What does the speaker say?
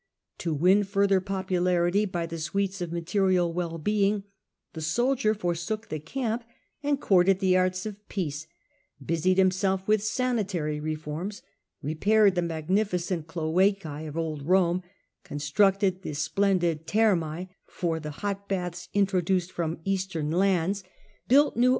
To win further popularity by the sweets of material well being, the soldier forsook the camp and courted the arts of peace, busied himself with sanitary reforms, repaired the magnificent cloacce of old Rome, pu^iic constructed the splendid ther7ncE for the hot baths introduced from Eastern lands, built new 24 The Far Her Empire, B.C.